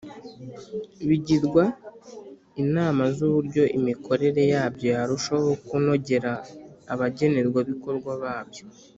bigirwa inama z’uburyo imikorere yabyo yarushaho kunogera abagenerwabikorwa babyo.